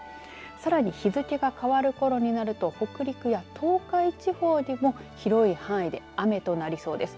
さらに日付が変わるころになると北陸や東海地方でも広い範囲で雨となりそうです。